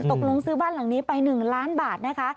ตกลงซื้อบ้านหลังนี้ไป๑ล้านบาทนะคะ